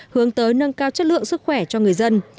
hướng tới nâng cao chất lượng sức khỏe cho người dân